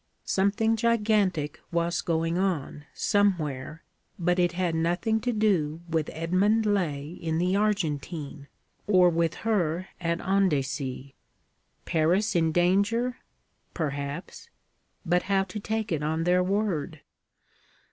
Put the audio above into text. Something gigantic was going on, somewhere, but it had nothing to do with Edmund Laye in the Argentine, or with her at Andecy. Paris in danger? Perhaps: but how to take it on their word?